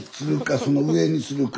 その上にするか。